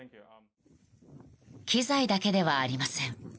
機材だけではありません。